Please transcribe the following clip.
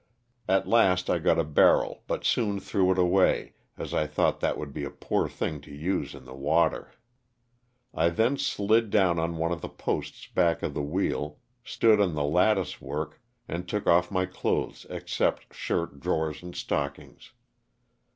At last I got a barrel but soon threw it away as I thought that would be a poor thing to use in the water. I then slid down on one of the posts back of the wheel, stood on the lattice work and took off my clothes except shirt, drawers and stockings.